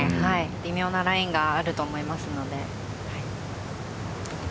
微妙なラインがあると思いますので。